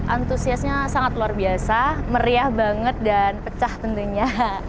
antusiasnya sangat luar biasa meriah banget dan pecah tentunya